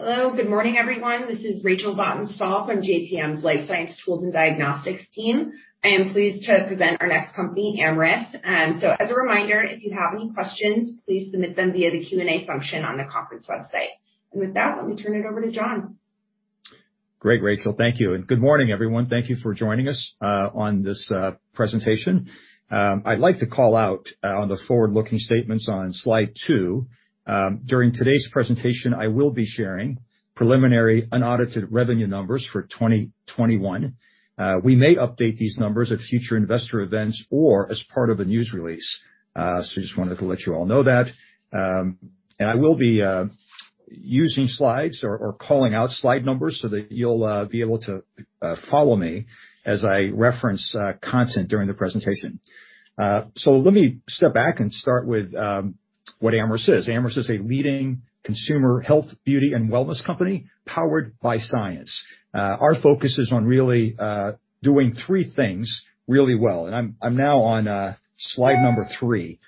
Hello, good morning, everyone. This is Rachel Vatnsdal from JPM's Life Science Tools and Diagnostics team. I am pleased to present our next company, Amyris. And so, as a reminder, if you have any questions, please submit them via the Q&A function on the conference website. And with that, let me turn it over to John. Great, Rachel, thank you. Good morning, everyone. Thank you for joining us on this presentation. I'd like to call out on the forward-looking statements on slide two. During today's presentation, I will be sharing preliminary unaudited revenue numbers for 2021. We may update these numbers at future investor events or as part of a news release. I just wanted to let you all know that. I will be using slides or calling out slide numbers so that you'll be able to follow me as I reference content during the presentation. Let me step back and start with what Amyris is. Amyris is a leading consumer health, beauty, and wellness company powered by science. Our focus is on really doing three things really well. I'm now on slide number three.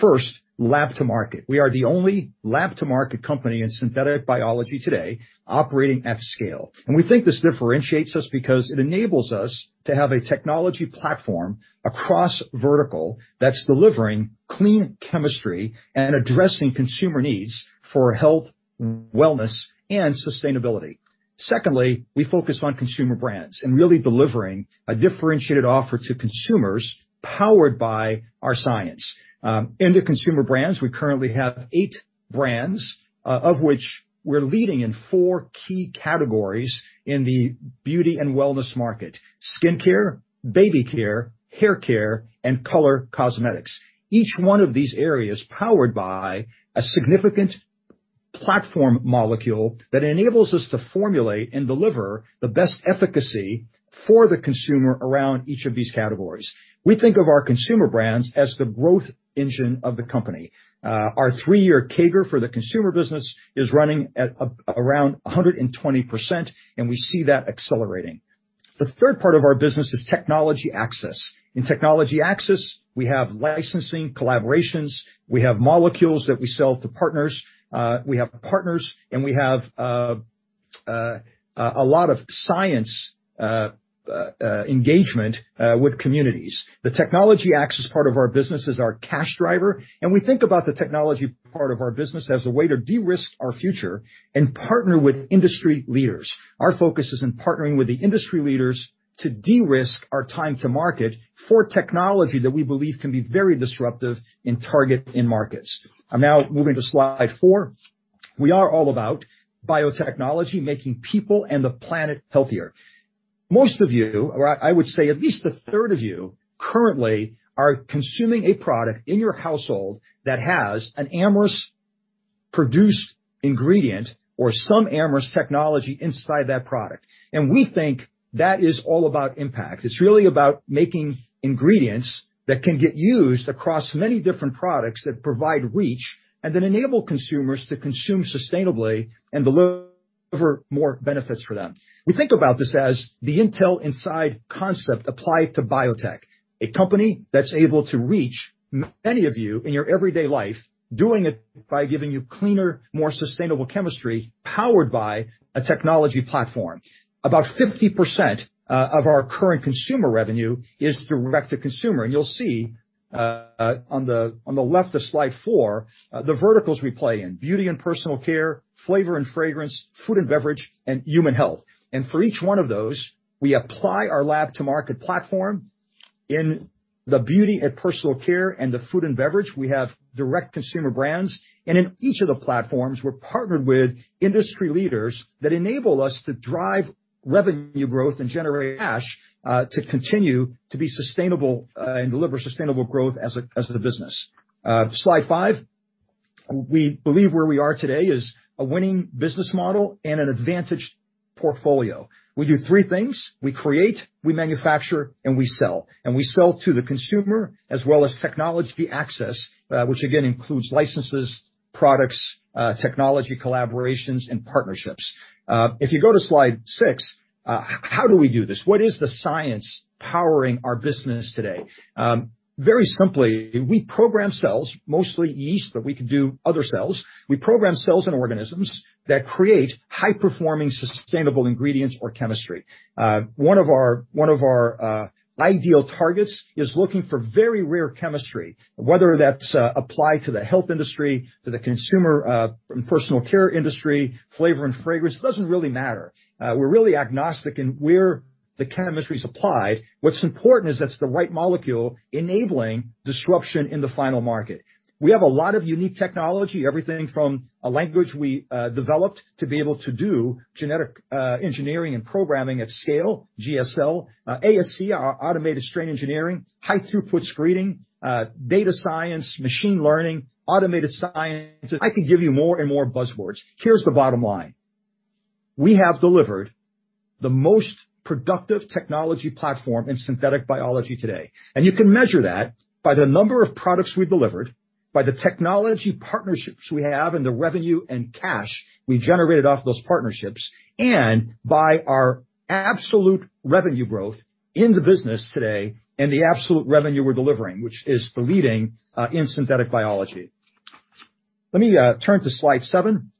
First, lab-to-market. We are the only lab-to-market company in synthetic biology today operating at scale. And we think this differentiates us because it enables us to have a technology platform across verticals that's delivering clean chemistry and addressing consumer needs for health, wellness, and sustainability. Secondly, we focus on consumer brands and really delivering a differentiated offer to consumers powered by our science. In the consumer brands, we currently have eight brands, of which we're leading in four key categories in the beauty and wellness market: skincare, baby care, hair care, and color cosmetics. Each one of these areas is powered by a significant platform molecule that enables us to formulate and deliver the best efficacy for the consumer around each of these categories. We think of our consumer brands as the growth engine of the company. Our three-year CAGR for the consumer business is running at around 120%, and we see that accelerating. The third part of our business is technology access. In technology access, we have licensing collaborations. We have molecules that we sell to partners. We have partners, and we have a lot of science engagement with communities. The technology access part of our business is our cash driver, and we think about the technology part of our business as a way to de-risk our future and partner with industry leaders. Our focus is on partnering with the industry leaders to de-risk our time to market for technology that we believe can be very disruptive in target markets. I'm now moving to slide four. We are all about biotechnology making people and the planet healthier. Most of you, or I would say at least a third of you, currently are consuming a product in your household that has an Amyris-produced ingredient or some Amyris technology inside that product, and we think that is all about impact. It's really about making ingredients that can get used across many different products that provide reach and then enable consumers to consume sustainably and deliver more benefits for them. We think about this as the Intel Inside concept applied to biotech, a company that's able to reach many of you in your everyday life by giving you cleaner, more sustainable chemistry powered by a technology platform. About 50% of our current consumer revenue is direct-to-consumer. And you'll see on the left of slide four the verticals we play in: beauty and personal care, flavor and fragrance, food and beverage, and human health. And for each one of those, we apply our lab-to-market platform. In the beauty and personal care and the food and beverage, we have direct consumer brands. And in each of the platforms, we're partnered with industry leaders that enable us to drive revenue growth and generate cash to continue to be sustainable and deliver sustainable growth as a business. Slide five. We believe where we are today is a winning business model and an advantaged portfolio. We do three things. We create, we manufacture, and we sell. And we sell to the consumer as well as technology access, which again includes licenses, products, technology collaborations, and partnerships. If you go to slide six, how do we do this? What is the science powering our business today? Very simply, we program cells, mostly yeast, but we can do other cells. We program cells and organisms that create high-performing sustainable ingredients or chemistry. One of our ideal targets is looking for very rare chemistry, whether that's applied to the health industry, to the consumer and personal care industry, flavor and fragrance. It doesn't really matter. We're really agnostic in where the chemistry is applied. What's important is that's the right molecule enabling disruption in the final market. We have a lot of unique technology, everything from a language we developed to be able to do genetic engineering and programming at scale, GSL, ASE, our automated strain engineering, high-throughput screening, data science, machine learning, automated science. I could give you more and more buzzwords. Here's the bottom line. We have delivered the most productive technology platform in synthetic biology today. You can measure that by the number of products we've delivered, by the technology partnerships we have, and the revenue and cash we generated off those partnerships, and by our absolute revenue growth in the business today and the absolute revenue we're delivering, which is the leading in synthetic biology. Let me turn to slide seven.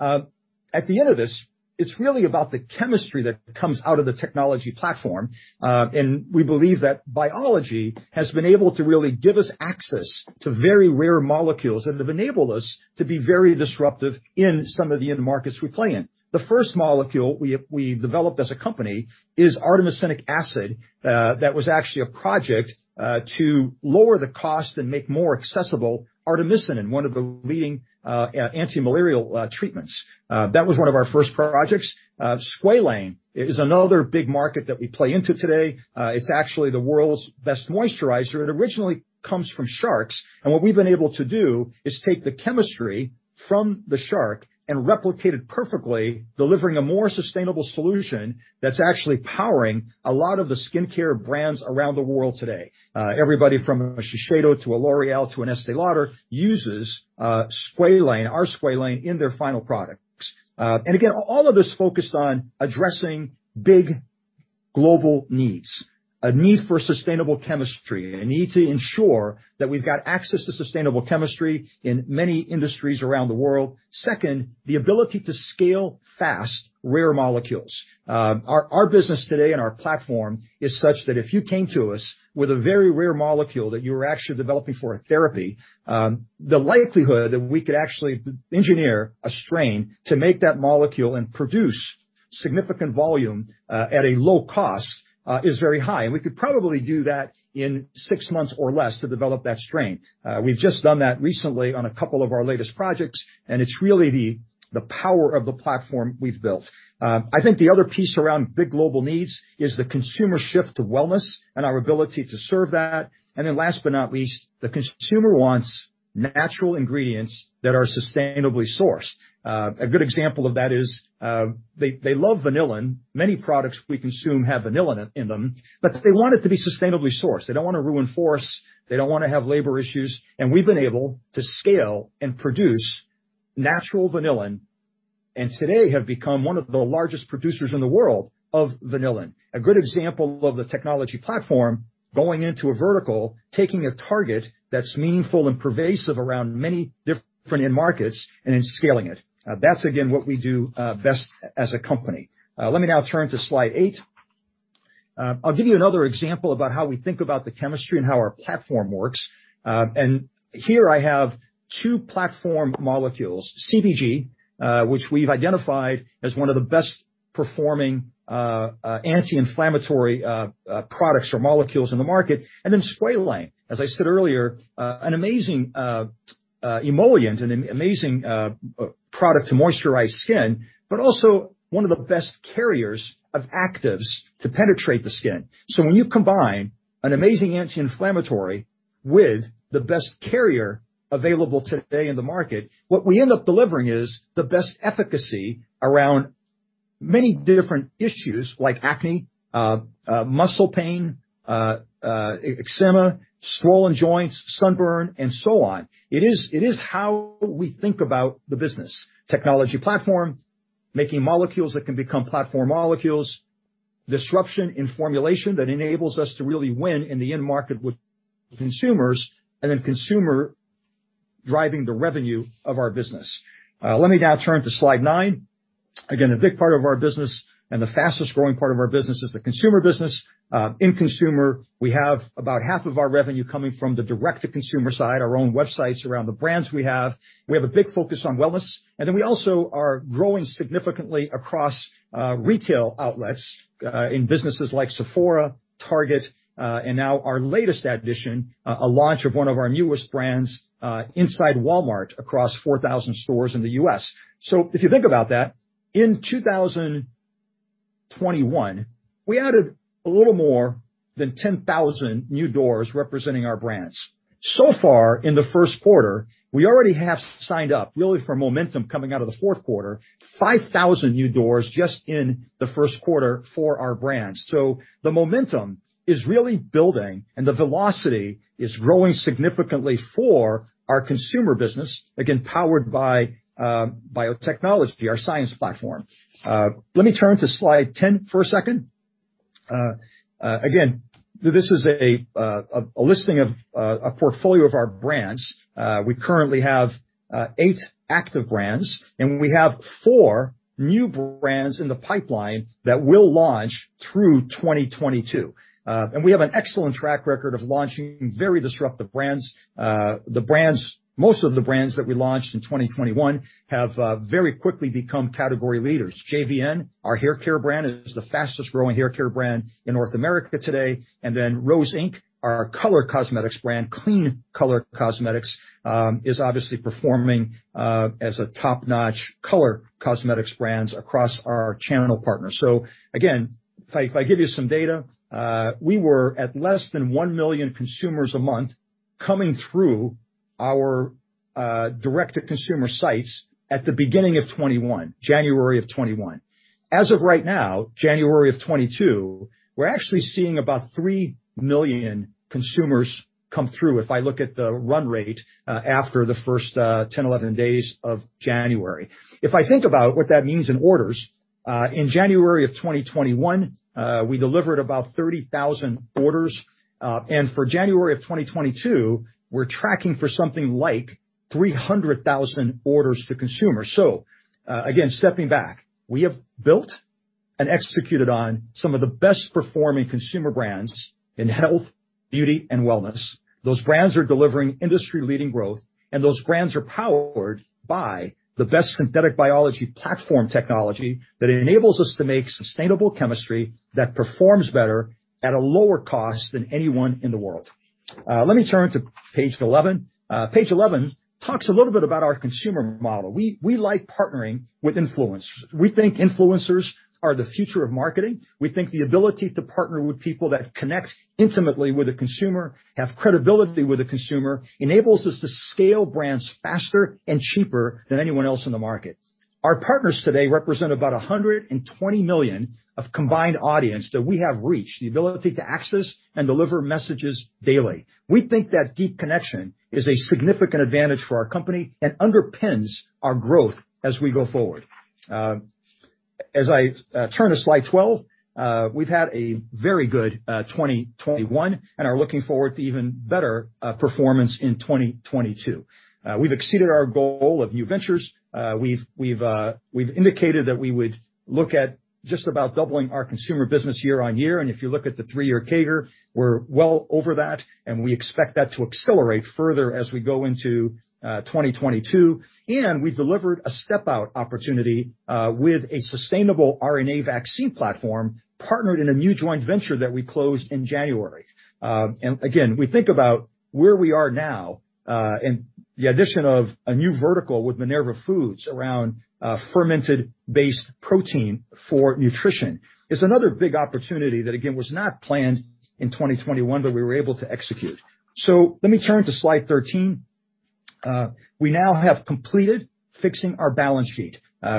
At the end of this, it's really about the chemistry that comes out of the technology platform. We believe that biology has been able to really give us access to very rare molecules and have enabled us to be very disruptive in some of the end markets we play in. The first molecule we developed as a company is artemisinic acid, that was actually a project to lower the cost and make more accessible artemisinin, one of the leading antimalarial treatments. That was one of our first projects. Squalane is another big market that we play into today. It's actually the world's best moisturizer. It originally comes from sharks. And what we've been able to do is take the chemistry from the shark and replicate it perfectly, delivering a more sustainable solution that's actually powering a lot of the skincare brands around the world today. Everybody from a Shiseido to a L'Oréal to an Estée Lauder uses Squalane, our Squalane in their final products. And again, all of this focused on addressing big global needs, a need for sustainable chemistry, a need to ensure that we've got access to sustainable chemistry in many industries around the world. Second, the ability to scale fast rare molecules. Our business today and our platform is such that if you came to us with a very rare molecule that you were actually developing for a therapy, the likelihood that we could actually engineer a strain to make that molecule and produce significant volume at a low cost is very high. And we could probably do that in six months or less to develop that strain. We've just done that recently on a couple of our latest projects. And it's really the power of the platform we've built. I think the other piece around big global needs is the consumer shift to wellness and our ability to serve that. And then last but not least, the consumer wants natural ingredients that are sustainably sourced. A good example of that is they love vanilla. Many products we consume have vanilla in them, but they want it to be sustainably sourced. They don't want to ruin forests. They don't want to have labor issues, and we've been able to scale and produce natural vanilla and today have become one of the largest producers in the world of vanilla. A good example of the technology platform going into a vertical, taking a target that's meaningful and pervasive around many different end markets and then scaling it. That's, again, what we do best as a company. Let me now turn to slide eight. I'll give you another example about how we think about the chemistry and how our platform works, and here I have two platform molecules, CBG, which we've identified as one of the best performing anti-inflammatory products or molecules in the market. Squalane, as I said earlier, an amazing emollient and an amazing product to moisturize skin, but also one of the best carriers of actives to penetrate the skin. So when you combine an amazing anti-inflammatory with the best carrier available today in the market, what we end up delivering is the best efficacy around many different issues like acne, muscle pain, eczema, swollen joints, sunburn, and so on. It is how we think about the business: technology platform, making molecules that can become platform molecules, disruption in formulation that enables us to really win in the end market with consumers, and then consumer driving the revenue of our business. Let me now turn to slide nine. Again, a big part of our business and the fastest growing part of our business is the consumer business. In consumer, we have about half of our revenue coming from the direct-to-consumer side, our own websites around the brands we have. We have a big focus on wellness, and then we also are growing significantly across retail outlets in businesses like Sephora, Target, and now our latest addition, a launch of one of our newest brands, inside Walmart across 4,000 stores in the U.S., so if you think about that, in 2021, we added a little more than 10,000 new doors representing our brands. So far, in the first quarter, we already have signed up, really, for momentum coming out of the fourth quarter, 5,000 new doors just in the first quarter for our brands, so the momentum is really building, and the velocity is growing significantly for our consumer business, again, powered by biotechnology, our science platform. Let me turn to slide 10 for a second. Again, this is a listing of a portfolio of our brands. We currently have eight active brands, and we have four new brands in the pipeline that will launch through 2022. And we have an excellent track record of launching very disruptive brands. Most of the brands that we launched in 2021 have very quickly become category leaders. JVN, our hair care brand, is the fastest growing hair care brand in North America today. And then Rose Inc, our color cosmetics brand, Clean Color Cosmetics, is obviously performing as a top-notch color cosmetics brand across our channel partners. So again, if I give you some data, we were at less than 1 million consumers a month coming through our direct-to-consumer sites at the beginning of 2021, January of 2021. As of right now, January of 2022, we're actually seeing about 3 million consumers come through if I look at the run rate after the first 10, 11 days of January. If I think about what that means in orders, in January of 2021, we delivered about 30,000 orders, and for January of 2022, we're tracking for something like 300,000 orders to consumers, so again, stepping back, we have built and executed on some of the best performing consumer brands in health, beauty, and wellness. Those brands are delivering industry-leading growth, and those brands are powered by the best synthetic biology platform technology that enables us to make sustainable chemistry that performs better at a lower cost than anyone in the world. Let me turn to page 11. Page 11 talks a little bit about our consumer model. We like partnering with influencers. We think influencers are the future of marketing. We think the ability to partner with people that connect intimately with a consumer, have credibility with a consumer, enables us to scale brands faster and cheaper than anyone else in the market. Our partners today represent about 120 million of combined audience that we have reached, the ability to access and deliver messages daily. We think that deep connection is a significant advantage for our company and underpins our growth as we go forward. As I turn to slide 12, we've had a very good 2021 and are looking forward to even better performance in 2022. We've exceeded our goal of new ventures. We've indicated that we would look at just about doubling our consumer business year on year, and if you look at the three-year CAGR, we're well over that. We expect that to accelerate further as we go into 2022. We delivered a step-out opportunity with a sustainable RNA vaccine platform partnered in a new joint venture that we closed in January. Again, we think about where we are now and the addition of a new vertical with Minerva Foods around fermented-based protein for nutrition is another big opportunity that, again, was not planned in 2021, but we were able to execute. Let me turn to slide 13. We now have completed fixing our balance sheet.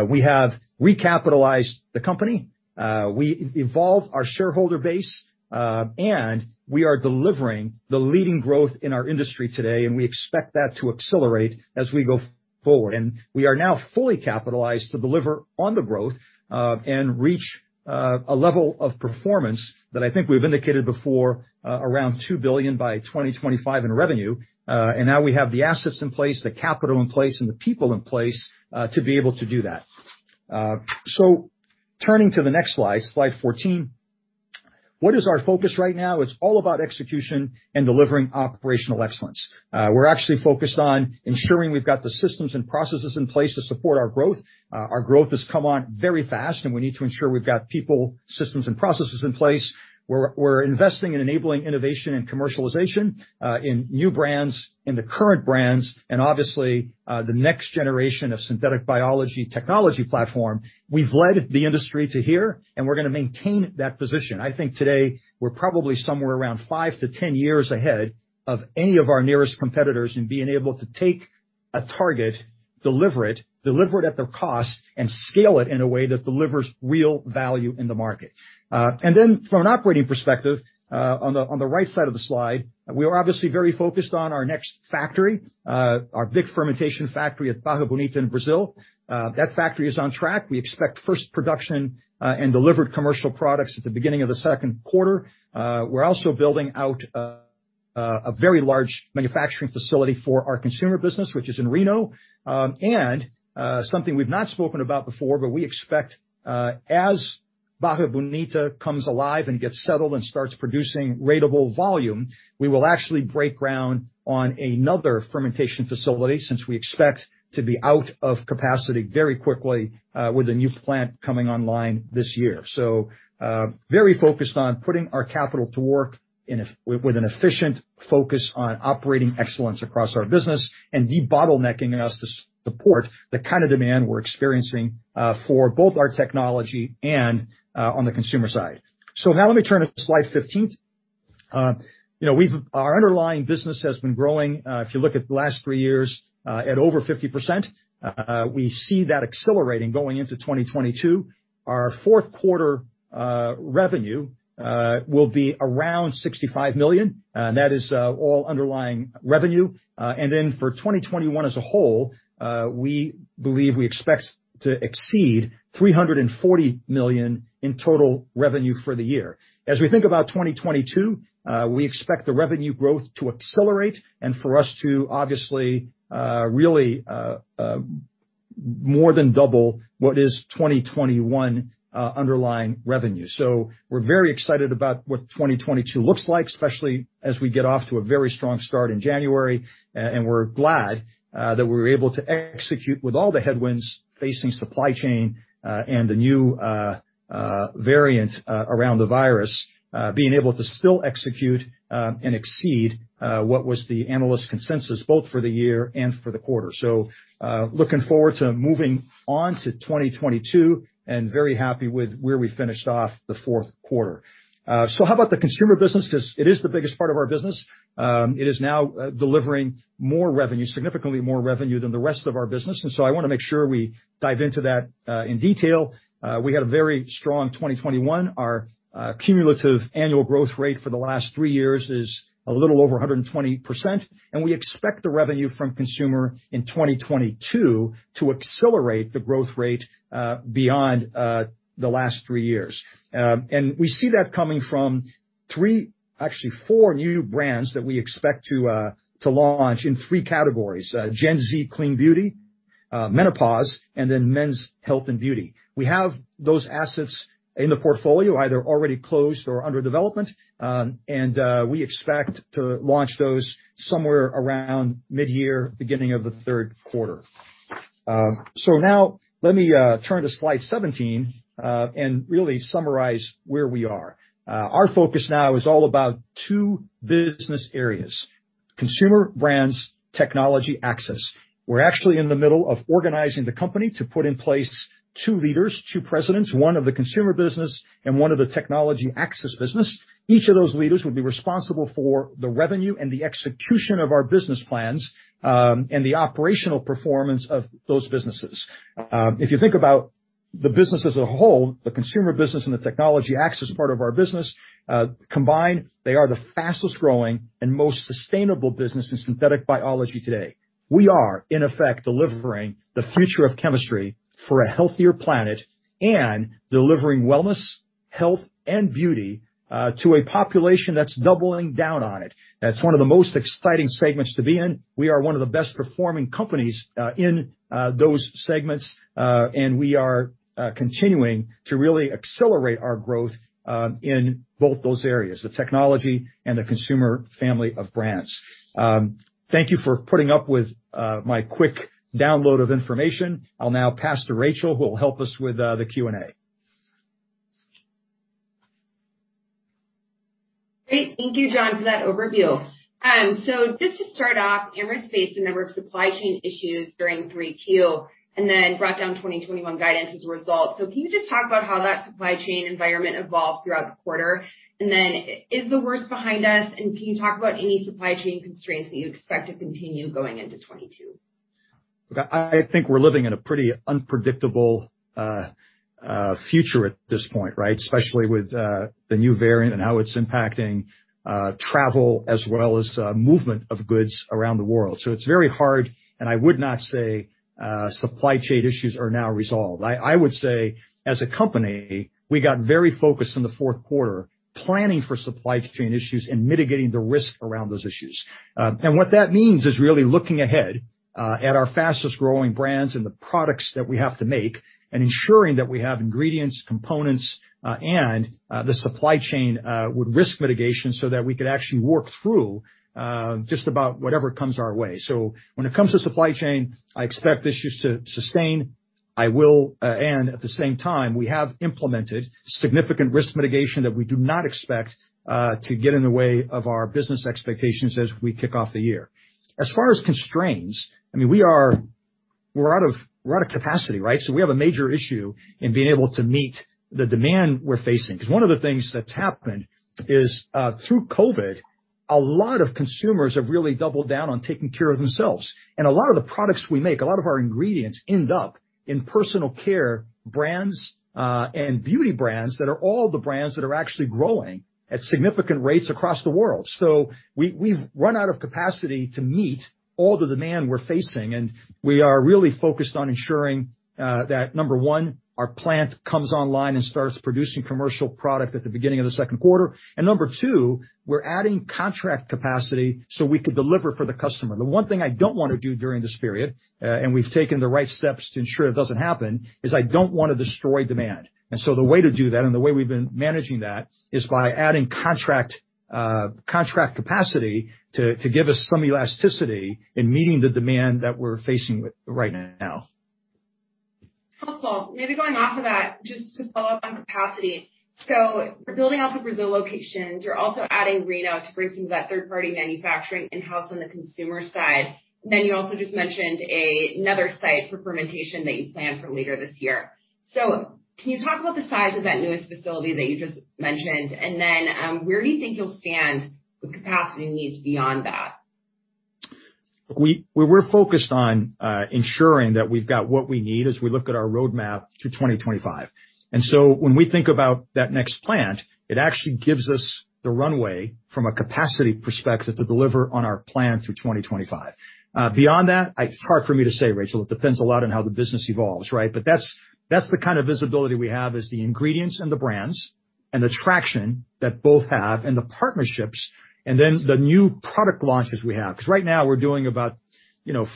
We have recapitalized the company. We evolved our shareholder base, and we are delivering the leading growth in our industry today. We expect that to accelerate as we go forward. We are now fully capitalized to deliver on the growth and reach a level of performance that I think we've indicated before around $2 billion by 2025 in revenue. And now we have the assets in place, the capital in place, and the people in place to be able to do that. So turning to the next slide, slide 14, what is our focus right now? It's all about execution and delivering operational excellence. We're actually focused on ensuring we've got the systems and processes in place to support our growth. Our growth has come on very fast, and we need to ensure we've got people, systems, and processes in place. We're investing in enabling innovation and commercialization in new brands, in the current brands, and obviously the next generation of synthetic biology technology platform. We've led the industry to here, and we're going to maintain that position. I think today we're probably somewhere around five to 10 years ahead of any of our nearest competitors in being able to take a target, deliver it, deliver it at their cost, and scale it in a way that delivers real value in the market. From an operating perspective, on the right side of the slide, we are obviously very focused on our next factory, our big fermentation factory at Barra Bonita in Brazil. That factory is on track. We expect first production and delivered commercial products at the beginning of the second quarter. We're also building out a very large manufacturing facility for our consumer business, which is in Reno. Something we've not spoken about before, but we expect as Barra Bonita comes alive and gets settled and starts producing ratable volume, we will actually break ground on another fermentation facility since we expect to be out of capacity very quickly with a new plant coming online this year. Very focused on putting our capital to work with an efficient focus on operating excellence across our business and debottlenecking us to support the kind of demand we're experiencing for both our technology and on the consumer side. Now let me turn to slide 15. Our underlying business has been growing. If you look at the last three years at over 50%, we see that accelerating going into 2022. Our fourth quarter revenue will be around $65 million. That is all underlying revenue. Then for 2021 as a whole, we believe we expect to exceed $340 million in total revenue for the year. As we think about 2022, we expect the revenue growth to accelerate and for us to obviously really more than double what is 2021 underlying revenue. We're very excited about what 2022 looks like, especially as we get off to a very strong start in January. We're glad that we were able to execute with all the headwinds facing supply chain and the new variant around the virus, being able to still execute and exceed what was the analyst consensus both for the year and for the quarter. Looking forward to moving on to 2022 and very happy with where we finished off the fourth quarter. How about the consumer business? Because it is the biggest part of our business. It is now delivering more revenue, significantly more revenue than the rest of our business, and so I want to make sure we dive into that in detail. We had a very strong 2021. Our cumulative annual growth rate for the last three years is a little over 120%, and we expect the revenue from consumer in 2022 to accelerate the growth rate beyond the last three years, and we see that coming from three, actually four new brands that we expect to launch in three categories: Gen Z Clean Beauty, Menopause, and then Men's Health and Beauty. We have those assets in the portfolio, either already closed or under development, and we expect to launch those somewhere around mid-year, beginning of the third quarter, so now let me turn to slide 17 and really summarize where we are. Our focus now is all about two business areas: consumer brands, technology access. We're actually in the middle of organizing the company to put in place two leaders, two presidents, one of the consumer business and one of the technology access business. Each of those leaders will be responsible for the revenue and the execution of our business plans and the operational performance of those businesses. If you think about the business as a whole, the consumer business and the technology access part of our business combined, they are the fastest growing and most sustainable business in synthetic biology today. We are, in effect, delivering the future of chemistry for a healthier planet and delivering wellness, health, and beauty to a population that's doubling down on it. That's one of the most exciting segments to be in. We are one of the best performing companies in those segments. And we are continuing to really accelerate our growth in both those areas, the technology and the consumer family of brands. Thank you for putting up with my quick download of information. I'll now pass to Rachel, who will help us with the Q&A. Great. Thank you, John, for that overview. So just to start off, Amyris faced a number of supply chain issues during 3Q and then brought down 2021 guidance as a result. So can you just talk about how that supply chain environment evolved throughout the quarter? And then is the worst behind us? And can you talk about any supply chain constraints that you expect to continue going into 2022? I think we're living in a pretty unpredictable future at this point, right? Especially with the new variant and how it's impacting travel as well as movement of goods around the world. So it's very hard, and I would not say supply chain issues are now resolved. I would say as a company, we got very focused in the fourth quarter planning for supply chain issues and mitigating the risk around those issues. And what that means is really looking ahead at our fastest growing brands and the products that we have to make and ensuring that we have ingredients, components, and the supply chain with risk mitigation so that we could actually work through just about whatever comes our way. So when it comes to supply chain, I expect issues to sustain. And at the same time, we have implemented significant risk mitigation that we do not expect to get in the way of our business expectations as we kick off the year. As far as constraints, I mean, we're out of capacity, right? So we have a major issue in being able to meet the demand we're facing. Because one of the things that's happened is through COVID, a lot of consumers have really doubled down on taking care of themselves. And a lot of the products we make, a lot of our ingredients end up in personal care brands and beauty brands that are all the brands that are actually growing at significant rates across the world. So we've run out of capacity to meet all the demand we're facing. And we are really focused on ensuring that, number one, our plant comes online and starts producing commercial product at the beginning of the second quarter. And number two, we're adding contract capacity so we could deliver for the customer. The one thing I don't want to do during this period, and we've taken the right steps to ensure it doesn't happen, is I don't want to destroy demand. And so the way to do that and the way we've been managing that is by adding contract capacity to give us some elasticity in meeting the demand that we're facing right now. Helpful. Maybe going off of that, just to follow up on capacity. So you're building out the Brazil locations. You're also adding Reno to bring some of that third-party manufacturing in-house on the consumer side. And then you also just mentioned another site for fermentation that you planned for later this year. So can you talk about the size of that newest facility that you just mentioned? And then where do you think you'll stand with capacity needs beyond that? We're focused on ensuring that we've got what we need as we look at our roadmap to 2025. And so when we think about that next plant, it actually gives us the runway from a capacity perspective to deliver on our plan through 2025. Beyond that, it's hard for me to say, Rachel. It depends a lot on how the business evolves, right? But that's the kind of visibility we have is the ingredients and the brands and the traction that both have and the partnerships and then the new product launches we have. Because right now we're doing about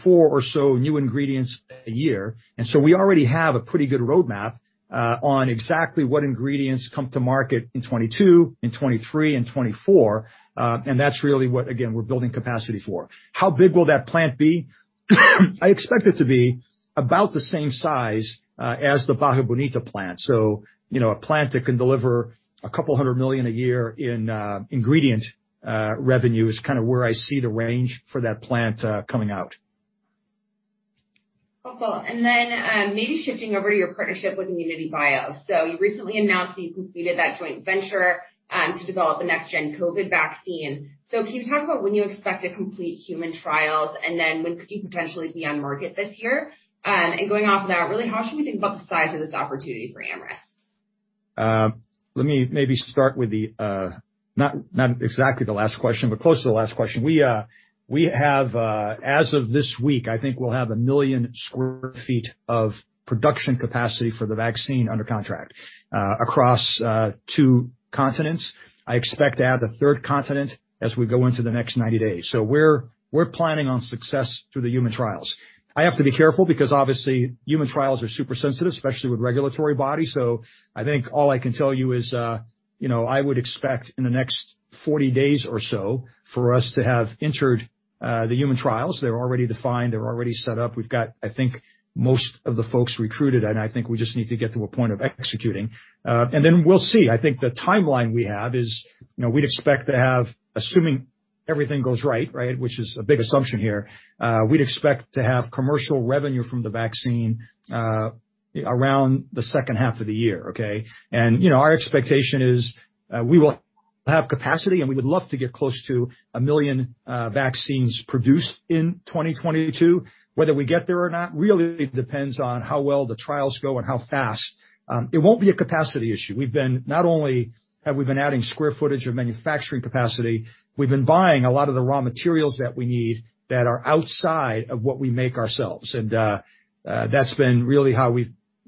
four or so new ingredients a year. And so we already have a pretty good roadmap on exactly what ingredients come to market in 2022, in 2023, and 2024. And that's really what, again, we're building capacity for. How big will that plant be? I expect it to be about the same size as the Barra Bonita plant. So a plant that can deliver a couple hundred million a year in ingredient revenue is kind of where I see the range for that plant coming out. Helpful. And then maybe shifting over to your partnership with ImmunityBio. So you recently announced that you completed that joint venture to develop a next-gen COVID vaccine. So can you talk about when you expect to complete human trials and then when could you potentially be on market this year? And going off of that, really, how should we think about the size of this opportunity for Amyris? Let me maybe start with the not exactly the last question, but close to the last question. We have, as of this week, I think we'll have a million sq ft of production capacity for the vaccine under contract across two continents. I expect to add a third continent as we go into the next 90 days. So we're planning on success through the human trials. I have to be careful because obviously human trials are super sensitive, especially with regulatory bodies. So I think all I can tell you is I would expect in the next 40 days or so for us to have entered the human trials. They're already defined. They're already set up. We've got, I think, most of the folks recruited. And I think we just need to get to a point of executing. And then we'll see. I think the timeline we have is we'd expect to have, assuming everything goes right, right, which is a big assumption here, we'd expect to have commercial revenue from the vaccine around the second half of the year, okay? And our expectation is we will have capacity, and we would love to get close to a million vaccines produced in 2022. Whether we get there or not really depends on how well the trials go and how fast. It won't be a capacity issue. We've not only been adding square footage of manufacturing capacity, we've been buying a lot of the raw materials that we need that are outside of what we make ourselves. And that's been really how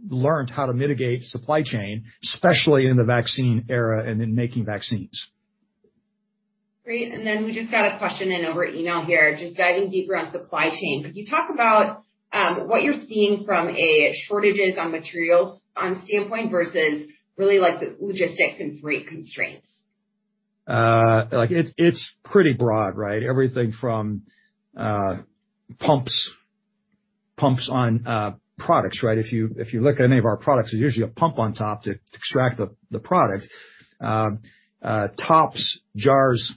we've learned how to mitigate supply chain, especially in the vaccine era and in making vaccines. Great. And then we just got a question in over email here. Just diving deeper on supply chain, could you talk about what you're seeing from a shortages on materials standpoint versus really logistics and freight constraints? It's pretty broad, right? Everything from pumps on products, right? If you look at any of our products, there's usually a pump on top to extract the product, tops, jars,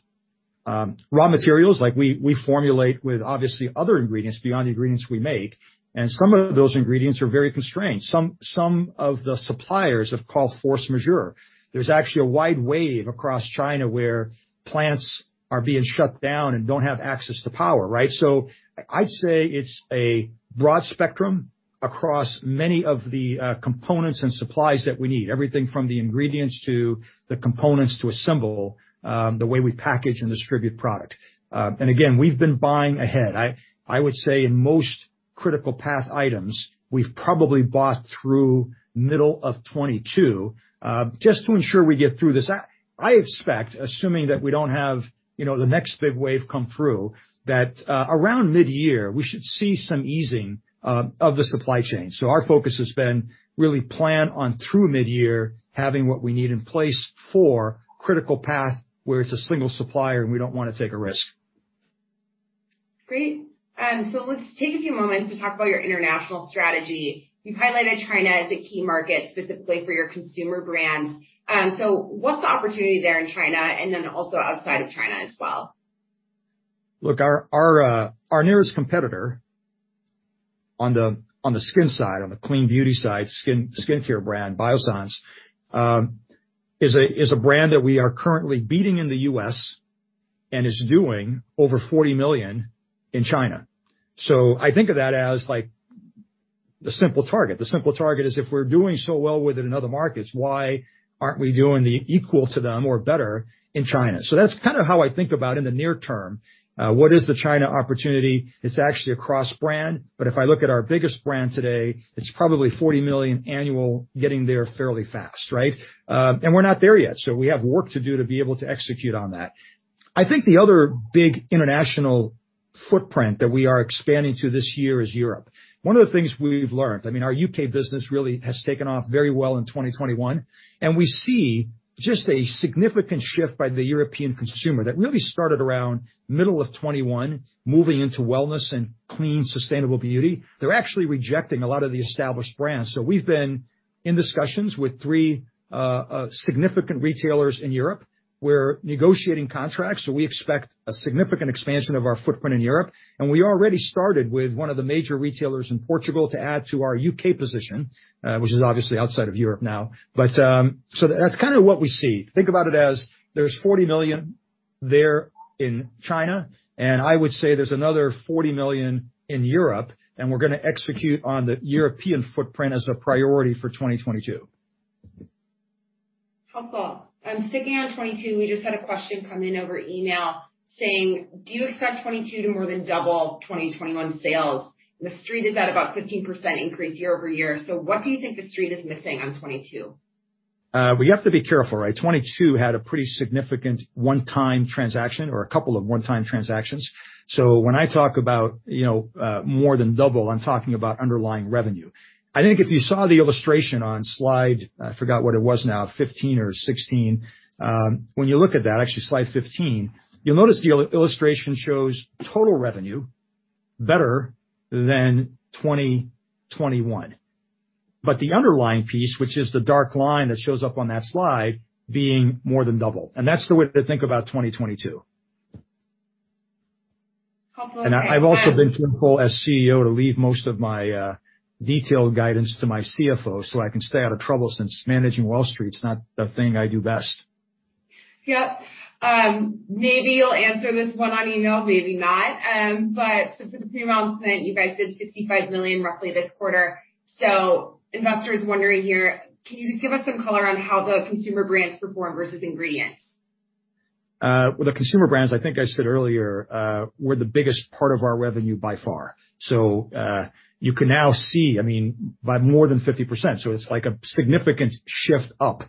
raw materials like we formulate with obviously other ingredients beyond the ingredients we make. And some of those ingredients are very constrained. Some of the suppliers have called force majeure. There's actually a wide wave across China where plants are being shut down and don't have access to power, right? So I'd say it's a broad spectrum across many of the components and supplies that we need. Everything from the ingredients to the components to assemble the way we package and distribute product. And again, we've been buying ahead. I would say in most critical path items, we've probably bought through middle of 2022 just to ensure we get through this. I expect, assuming that we don't have the next big wave come through, that around mid-year, we should see some easing of the supply chain. So our focus has been really plan on through mid-year having what we need in place for critical path where it's a single supplier and we don't want to take a risk. Great. So let's take a few moments to talk about your international strategy. You've highlighted China as a key market specifically for your consumer brands. So what's the opportunity there in China and then also outside of China as well? Look, our nearest competitor on the skin side, on the clean beauty side, skincare brand, Biossance, is a brand that we are currently beating in the U.S. and is doing over $40 million in China. So I think of that as the simple target. The simple target is if we're doing so well with it in other markets, why aren't we doing the equal to them or better in China? So that's kind of how I think about in the near term. What is the China opportunity? It's actually across brand. But if I look at our biggest brand today, it's probably $40 million annual, getting there fairly fast, right? And we're not there yet. So we have work to do to be able to execute on that. I think the other big international footprint that we are expanding to this year is Europe. One of the things we've learned, I mean, our U.K. business really has taken off very well in 2021, and we see just a significant shift by the European consumer that really started around middle of 2021, moving into wellness and clean sustainable beauty. They're actually rejecting a lot of the established brands, so we've been in discussions with three significant retailers in Europe. We're negotiating contracts, so we expect a significant expansion of our footprint in Europe, and we already started with one of the major retailers in Portugal to add to our U.K. position, which is obviously outside of Europe now, but so that's kind of what we see. Think about it as there's 40 million there in China, and I would say there's another 40 million in Europe, and we're going to execute on the European footprint as a priority for 2022. Helpful. I'm sticking on 2022. We just had a question come in over email saying, do you expect 2022 to more than double 2021 sales? The street is at about 15% increase year over year, so what do you think the street is missing on 2022? We have to be careful, right? 2022 had a pretty significant one-time transaction or a couple of one-time transactions, so when I talk about more than double, I'm talking about underlying revenue. I think if you saw the illustration on slide, I forgot what it was now, 15 or 16. When you look at that, actually slide 15, you'll notice the illustration shows total revenue better than 2021. But the underlying piece, which is the dark line that shows up on that slide, being more than double, and that's the way to think about 2022. And I've also been careful as CEO to leave most of my detailed guidance to my CFO so I can stay out of trouble since managing Wall Street is not the thing I do best. Yep. Maybe you'll answer this one on email, maybe not, but so for the pre-announcement, you guys did $65 million roughly this quarter. So investors wondering here, can you just give us some color on how the consumer brands perform versus ingredients? With the consumer brands, I think I said earlier, we're the biggest part of our revenue by far. So you can now see, I mean, by more than 50%. So it's like a significant shift up.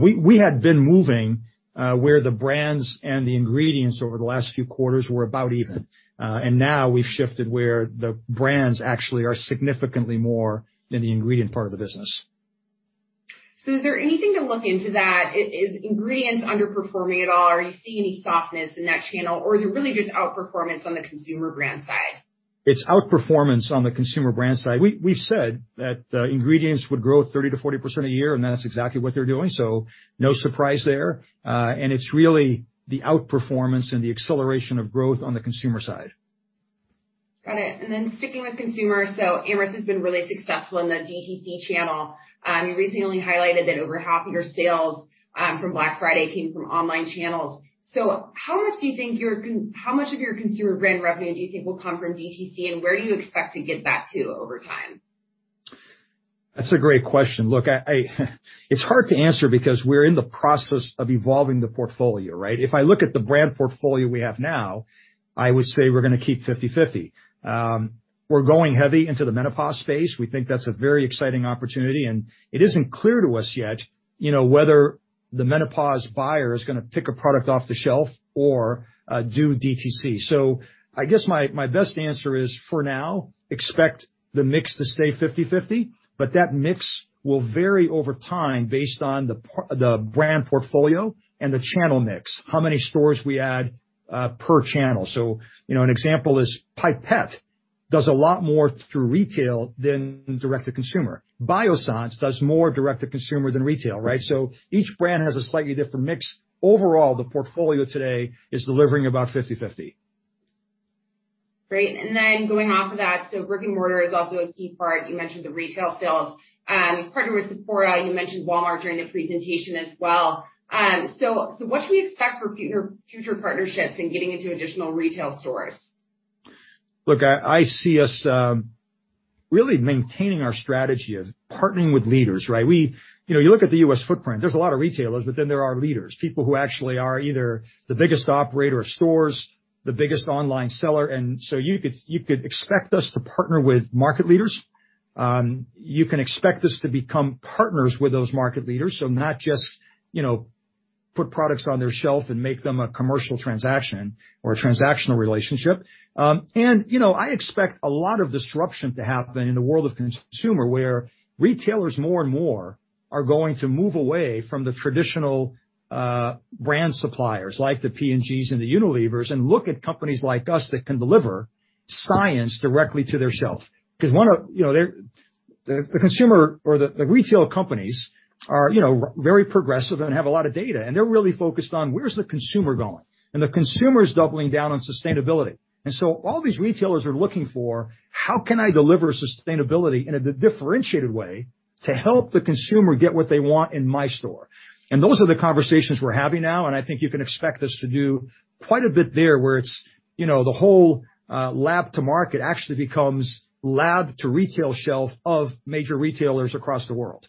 We had been moving where the brands and the ingredients over the last few quarters were about even. And now we've shifted where the brands actually are significantly more than the ingredient part of the business. So is there anything to look into that? Is ingredients underperforming at all? Are you seeing any softness in that channel? Or is it really just outperformance on the consumer brand side? It's outperformance on the consumer brand side. We've said that ingredients would grow 30%-40% a year, and that's exactly what they're doing. So no surprise there. And it's really the outperformance and the acceleration of growth on the consumer side. Got it. And then sticking with consumers, so Amyris has been really successful in the DTC channel. You recently only highlighted that over half of your sales from Black Friday came from online channels. So how much of your consumer brand revenue do you think will come from DTC, and where do you expect to get that to over time? That's a great question. Look, it's hard to answer because we're in the process of evolving the portfolio, right? If I look at the brand portfolio we have now, I would say we're going to keep 50/50. We're going heavy into the menopause space. We think that's a very exciting opportunity. And it isn't clear to us yet whether the menopause buyer is going to pick a product off the shelf or do DTC. So I guess my best answer is for now, expect the mix to stay 50/50. But that mix will vary over time based on the brand portfolio and the channel mix, how many stores we add per channel. So an example is Pipette does a lot more through retail than direct-to-consumer. Biossance does more direct-to-consumer than retail, right? So each brand has a slightly different mix. Overall, the portfolio today is delivering about 50/50. Great. And then going off of that, so brick and mortar is also a key part. You mentioned the retail sales. You partnered with Sephora. You mentioned Walmart during the presentation as well. So what should we expect for future partnerships and getting into additional retail stores? Look, I see us really maintaining our strategy of partnering with leaders, right? You look at the U.S. footprint, there's a lot of retailers, but then there are leaders, people who actually are either the biggest operator of stores, the biggest online seller. And so you could expect us to partner with market leaders. You can expect us to become partners with those market leaders, so not just put products on their shelf and make them a commercial transaction or a transactional relationship. I expect a lot of disruption to happen in the world of consumer where retailers more and more are going to move away from the traditional brand suppliers like the P&Gs and the Unilevers and look at companies like us that can deliver science directly to their shelf. Because the consumer or the retail companies are very progressive and have a lot of data. They're really focused on where's the consumer going? The consumer is doubling down on sustainability. So all these retailers are looking for, how can I deliver sustainability in a differentiated way to help the consumer get what they want in my store? Those are the conversations we're having now. I think you can expect us to do quite a bit there where it's the whole lab to market actually becomes lab to retail shelf of major retailers across the world.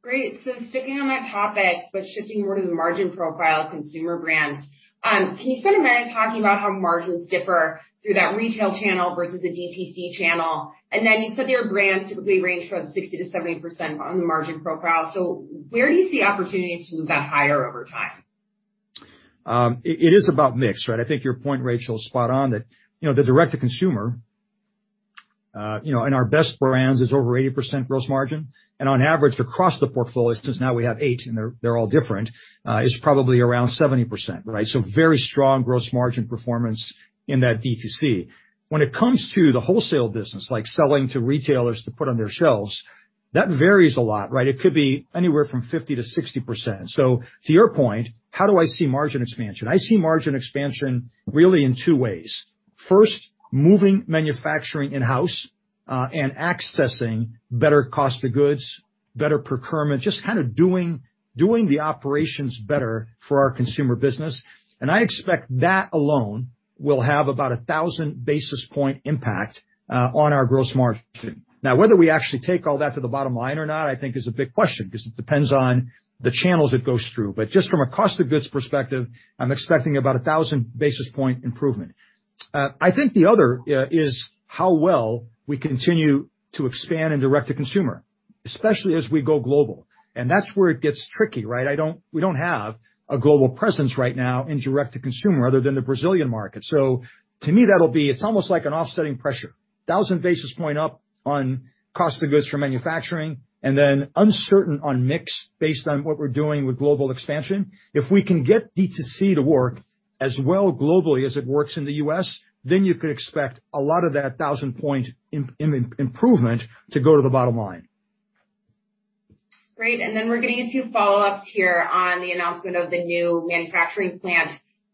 Great. So sticking on that topic, but shifting more to the margin profile of consumer brands, can you spend a minute talking about how margins differ through that retail channel versus the DTC channel? And then you said your brands typically range from 60%-70% on the margin profile. So where do you see opportunities to move that higher over time? It is about mix, right? I think your point, Rachel, is spot on that the direct-to-consumer in our best brands is over 80% gross margin. And on average, across the portfolio, since now we have eight and they're all different, it's probably around 70%, right? So very strong gross margin performance in that DTC. When it comes to the wholesale business, like selling to retailers to put on their shelves, that varies a lot, right? It could be anywhere from 50%-60%. To your point, how do I see margin expansion? I see margin expansion really in two ways. First, moving manufacturing in-house and accessing better cost of goods, better procurement, just kind of doing the operations better for our consumer business. And I expect that alone will have about a thousand basis points impact on our gross margin. Now, whether we actually take all that to the bottom line or not, I think is a big question because it depends on the channels it goes through. But just from a cost of goods perspective, I'm expecting about a thousand basis points improvement. I think the other is how well we continue to expand in direct-to-consumer, especially as we go global. And that's where it gets tricky, right? We don't have a global presence right now in direct-to-consumer other than the Brazilian market. So to me, that'll be; it's almost like an offsetting pressure. A thousand basis points up on cost of goods for manufacturing and then uncertain on mix based on what we're doing with global expansion. If we can get DTC to work as well globally as it works in the U.S., then you could expect a lot of that thousand points improvement to go to the bottom line. Great. And then we're getting a few follow-ups here on the announcement of the new manufacturing plant.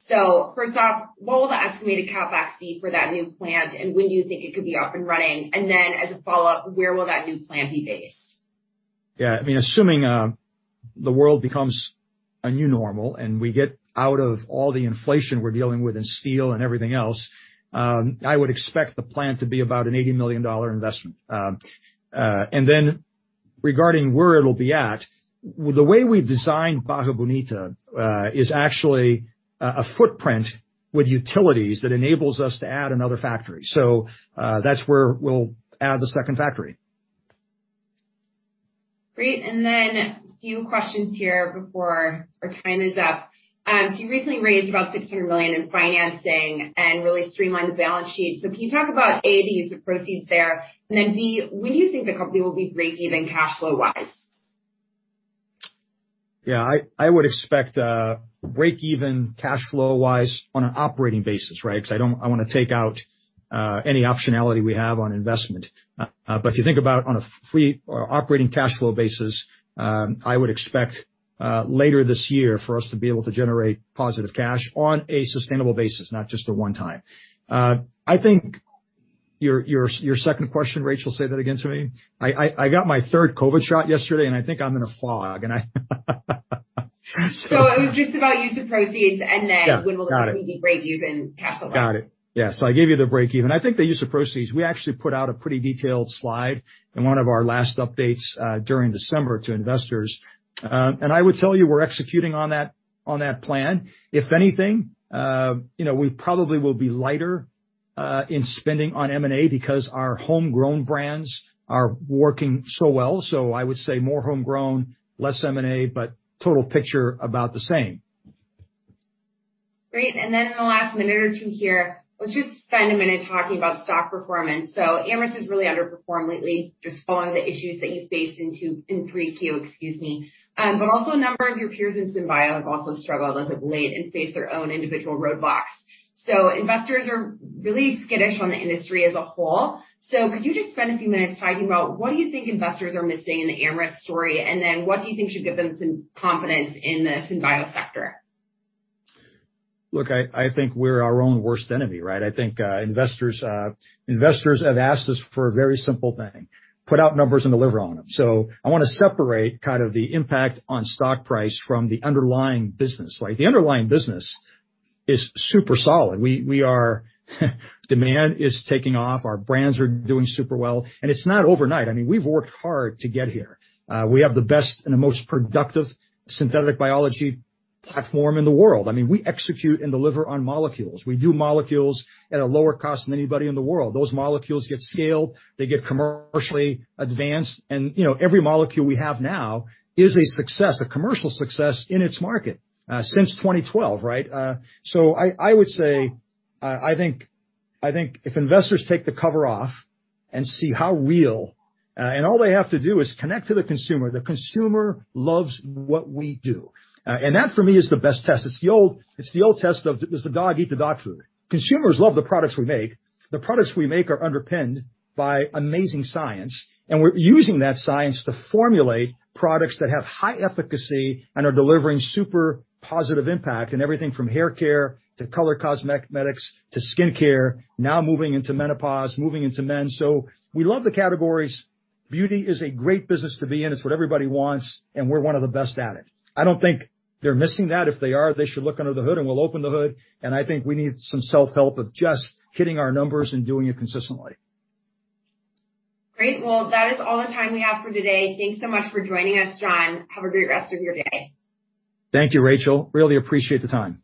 So first off, what will the estimated CapEx be for that new plant and when do you think it could be up and running? And then as a follow-up, where will that new plant be based? Yeah. I mean, assuming the world becomes a new normal and we get out of all the inflation we're dealing with in steel and everything else, I would expect the plant to be about an $80 million investment. And then regarding where it'll be at, the way we designed Barra Bonita is actually a footprint with utilities that enables us to add another factory. So that's where we'll add the second factory. Great. And then a few questions here before our time is up. So you recently raised about $600 million in financing and really streamlined the balance sheet. So can you talk about A, the use of proceeds there? And then B, when do you think the company will be break-even cash flow-wise? Yeah. I would expect break-even cash flow-wise on an operating basis, right? Because I don't want to take out any optionality we have on investment. But if you think about on a operating cash flow basis, I would expect later this year for us to be able to generate positive cash on a sustainable basis, not just a one-time. I think your second question, Rachel. Say that again to me. I got my third COVID shot yesterday, and I think I'm in a fog. So it was just about use of proceeds and then when will there be break-even cash flow? Got it. Yeah. So I gave you the break-even. I think the use of proceeds, we actually put out a pretty detailed slide in one of our last updates during December to investors. And I would tell you we're executing on that plan. If anything, we probably will be lighter in spending on M&A because our homegrown brands are working so well. So I would say more homegrown, less M&A, but total picture about the same. Great. And then in the last minute or two here, let's just spend a minute talking about stock performance. So Amyris has really underperformed lately, just following the issues that you faced in 3Q, excuse me. But also a number of your peers in Synbio have also struggled as of late and faced their own individual roadblocks. So investors are really skittish on the industry as a whole. So could you just spend a few minutes talking about what do you think investors are missing in the Amyris story? And then what do you think should give them some confidence in the Synbio sector? Look, I think we're our own worst enemy, right? I think investors have asked us for a very simple thing: put out numbers and deliver on them. So, I want to separate kind of the impact on stock price from the underlying business. The underlying business is super solid. Demand is taking off. Our brands are doing super well. And it's not overnight. I mean, we've worked hard to get here. We have the best and the most productive synthetic biology platform in the world. I mean, we execute and deliver on molecules. We do molecules at a lower cost than anybody in the world. Those molecules get scaled. They get commercially advanced. And every molecule we have now is a success, a commercial success in its market since 2012, right? So, I would say I think if investors take the cover off and see how real, and all they have to do is connect to the consumer. The consumer loves what we do. And that for me is the best test. It's the old test of, it's the dog eat the dog food. Consumers love the products we make. The products we make are underpinned by amazing science, and we're using that science to formulate products that have high efficacy and are delivering super positive impact in everything from hair care to color cosmetics to skincare, now moving into menopause, moving into men, so we love the categories. Beauty is a great business to be in. It's what everybody wants, and we're one of the best at it. I don't think they're missing that. If they are, they should look under the hood, and we'll open the hood, and I think we need some self-help of just hitting our numbers and doing it consistently. Great. Well, that is all the time we have for today. Thanks so much for joining us, John. Have a great rest of your day. Thank you, Rachel. Really appreciate the time.